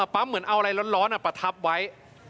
ปั๊มเหมือนเอาอะไรร้อนประทับไว้